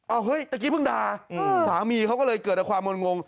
เอาเฮ้ยตะกี้เพิ่งด่าสามีเขาก็เลยเกิดความมนต์งง